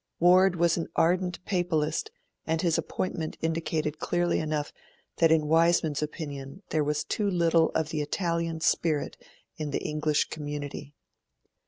Ward was an ardent Papalist and his appointment indicated clearly enough that in Wiseman's opinion there was too little of the Italian spirit in the English community.